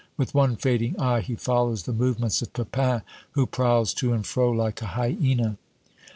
With one fading eye he follows the movements of Pepin, who prowls to and fro like a hyaena.